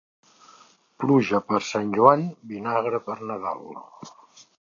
Pluja per Sant Joan, vinagre per Nadal.